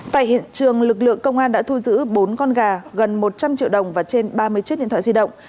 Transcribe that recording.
tại hiện trường lực lượng công an đã thu giữ bốn con gà gần một trăm linh triệu đồng và trên ba mươi chiếc điện thoại di động